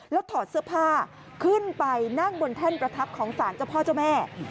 แล้วถอดเสื้อผ้าขึ้นไปนั่งบนแท่นประทับของศาลเจ้าพ่อเจ้าแม่